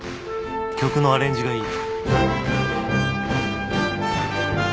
曲のアレンジがいい